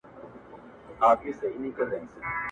مُلاجان ویل ه، د پنجاب چټي په نام دي,